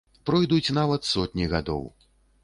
Пройдуць нават сотні гадоў.